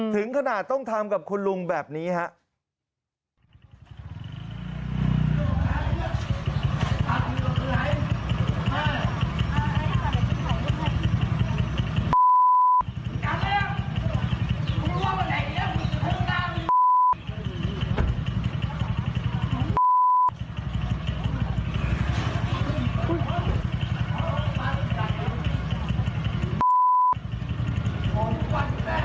ถึงขนาดต้องทำกับคุณลุงแบบนี้ครับ